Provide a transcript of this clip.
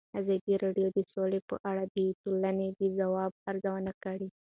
ازادي راډیو د سوله په اړه د ټولنې د ځواب ارزونه کړې.